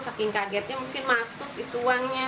saking kagetnya mungkin masuk itu uangnya